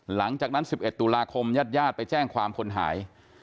หลังจากนั้น๑๑ตุลาคมญาติญาติไปแจ้งความคนหาย